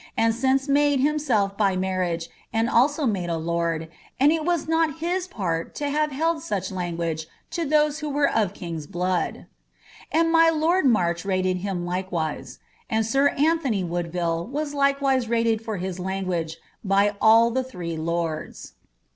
and since made himself by marriage, and also made a lord, and it was not his part to have held such lan guage to those who were of king's blood !' Add my lord March rate<l him like wise. And sir Antony Woodville was likewise rated for his language, by all the three lords.